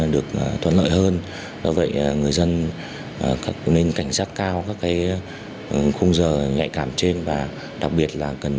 được thuận lợi hơn do vậy người dân nên cảnh giác cao các khung giờ nhạy cảm trên và đặc biệt là cần